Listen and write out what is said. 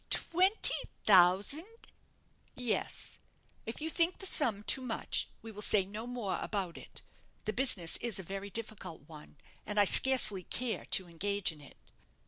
"Twenty thousand!" "Yes; if you think the sum too much, we will say no more about it. The business is a very difficult one, and I scarcely care to engage in it."